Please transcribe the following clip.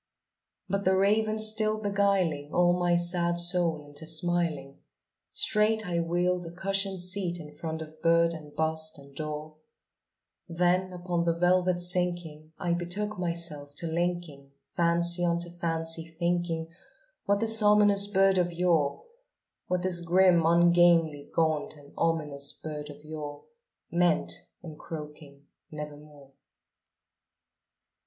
'" But the Raven still beguiling all my sad soul into smiling, Straight I wheeled a cushioned seat in front of bird and bust and door; Then, upon the velvet sinking, I betook myself to linking Fancy unto fancy, thinking what this ominous bird of yore What this grim, ungainly, gaunt, and ominous bird of yore Meant in croaking "Nevermore."